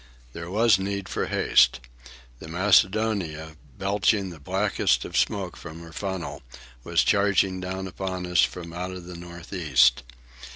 There was need for haste. The Macedonia, belching the blackest of smoke from her funnel, was charging down upon us from out of the north east.